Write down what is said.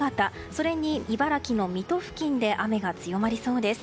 それに茨城の水戸付近で雨が強まりそうです。